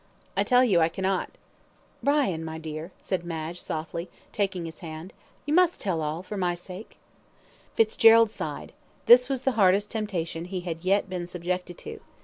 "I tell you I cannot." "Brian, dear," said Madge, softly, taking his hand, "you must tell all for my sake." Fitzgerald sighed this was the hardest temptation he had yet been subjected to.